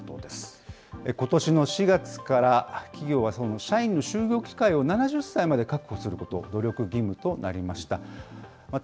ことしの４月から、企業は社員の就業機会を７０歳まで確保すること、努力義務となりました。